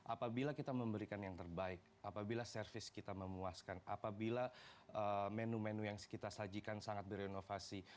apabila kita memberikan yang terbaik apabila servis kita memuaskan apabila menu menu yang kita sajikan sangat berinovasi